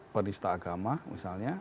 atau misalkan dicap penyelenggaraan misalnya